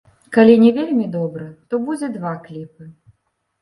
Калі не вельмі добра, то будзе два кліпы.